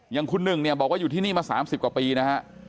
อย่างคุณหนึ่งเนี่ยบอกว่าอยู่ที่นี่มา๓๐กว่าปีนะฮะ